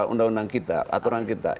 undang undang kita aturan kita